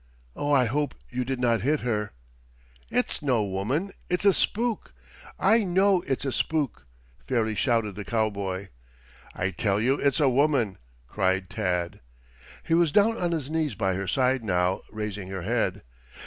Oh, I hope you did not hit her!" "It's no woman; it's a spook. I know it's a spook!" fairly shouted the cowboy. "I tell you it's a woman!" cried Tad. He was down on his knees by her side now, raising her head.